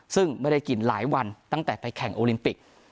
ซึ่งไม่ได้กินหลายวันตั้งแต่ไปแข่งโอลิมปิก